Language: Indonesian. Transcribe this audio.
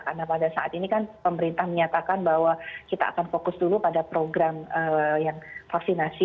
karena pada saat ini kan pemerintah menyatakan bahwa kita akan fokus dulu pada program vaksinasi